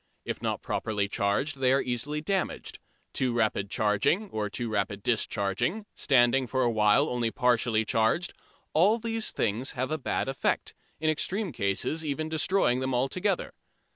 If not properly charged they are easily damaged. Too rapid charging or too rapid discharging, standing for a while only partly charged all these things have a bad effect, in extreme cases even destroying them altogether.